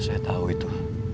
saya tau itu